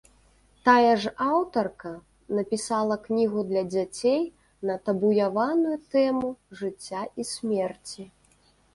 Тая ж аўтарка напісала кнігу для дзяцей на табуяваную тэму жыцця і смерці.